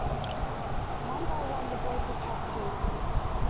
One by one the boys were captured.